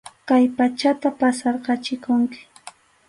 Kay pachata pasarqachikunki.